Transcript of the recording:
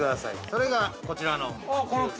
それがこちらの。